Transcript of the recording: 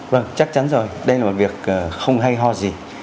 vâng chắc chắn rồi đây là một việc không hay ho gì